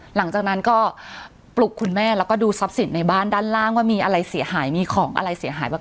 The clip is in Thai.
หลังจากนั้นก็ปลุกคุณแม่แล้วก็ดูทรัพย์สินในบ้านด้านล่างว่ามีอะไรเสียหายมีของอะไรเสียหายบ้าง